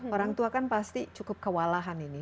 orang tua kan pasti cukup kewalahan ini